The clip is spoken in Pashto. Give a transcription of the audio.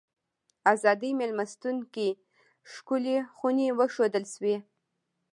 ازادۍ مېلمستون کې ښکلې خونې وښودل شوې.